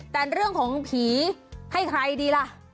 แต่เรื่องของผีให้ใครดีล่ะ